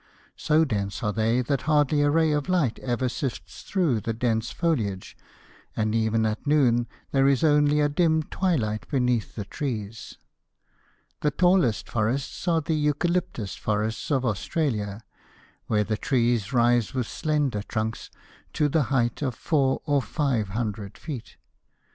So dense are they that hardly a ray of light ever sifts through the dense foliage, and even at noon there is only a dim twilight beneath the trees. The tallest forests are the Eucalyptus forests of Australia, where the trees rise with slender trunks to the height of four or five hundred feet.